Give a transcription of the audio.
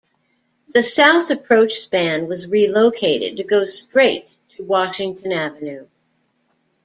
The south approach span was relocated to go straight to Washington Avenue.